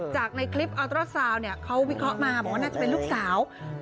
จากในคลิปอัลตราซาวน์เขาวิเคราะห์มาบอกว่าน่าจะเป็นลูกสาว